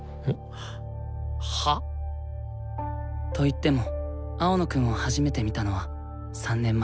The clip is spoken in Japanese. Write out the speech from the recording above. は？と言っても青野くんを初めて見たのは３年前。